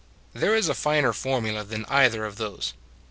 There is a finer formula than either of these.